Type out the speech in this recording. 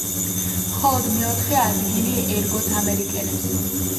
მხოლოდ მეოთხე ადგილი ერგოთ ამერიკელებს.